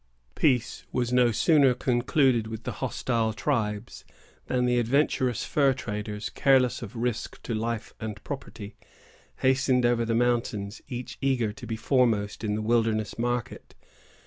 Peace was no sooner concluded with the hostile tribes, than the adventurous fur traders, careless of risk to life and property, hastened over the mountains, each eager to be foremost in the wilderness market.